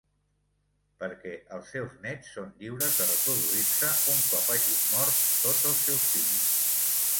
Perquè els seus nets són lliures de reproduir-se un cop hagin mort tots els seus fills.